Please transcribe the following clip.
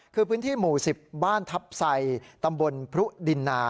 คือพื้นที่หมู่๑๐บ้านทัพไซตำบลพรุดินนา